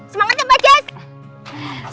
semangat ya mbak jess